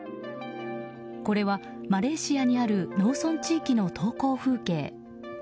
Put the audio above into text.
これはマレーシアにある農村地域の登校風景。